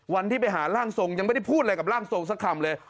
วันที่ไปหาร่างทรงยังไม่ได้พูดอะไรกับร่างทรงสักคำเลย